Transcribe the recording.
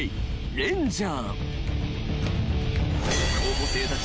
レンジャー！